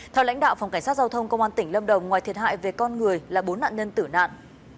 theo lãnh đạo phòng cảnh sát giao thông công an tỉnh lâm đồng ngoài thiệt hại về con người là bốn nạn nhân tử nạn